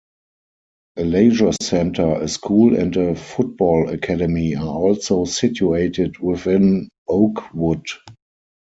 A leisure centre, a school and a football academy are also situated within Oakwood.